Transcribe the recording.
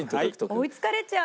追い付かれちゃう！